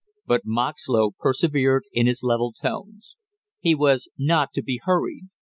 But Moxlow persevered in his level tones, he was not to be hurried.